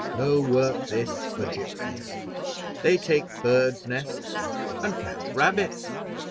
No work this for gipsies; they take birds' nests and catch rabbits."